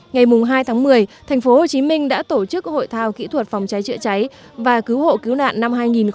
ngày hai tháng một mươi tp hcm đã tổ chức hội thao kỹ thuật phòng cháy chữa cháy và cứu hộ cứu nạn năm hai nghìn một mươi chín